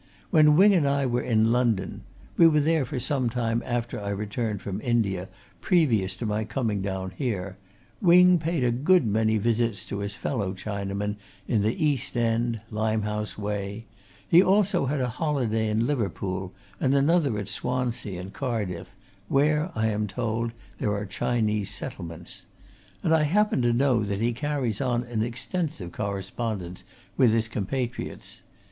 When Wing and I were in London we were there for some time after I returned from India, previous to my coming down here Wing paid a good many visits to his fellow Chinamen in the East End, Limehouse way; he also had a holiday in Liverpool and another at Swansea and Cardiff, where, I am told, there are Chinese settlements. And I happen to know that he carries on an extensive correspondence with his compatriots.